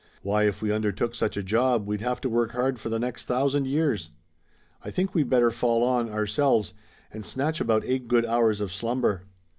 Why, if we undertook such a job we'd have to work hard for the next thousand years. I think we'd better fall on, ourselves, and snatch about eight good hours of slumber."